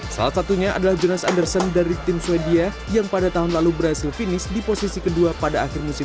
salah satunya adalah jonas andersen dari tim swedia yang pada tahun lalu berhasil finish di posisi kedua pada akhir musim dua ribu dua puluh dua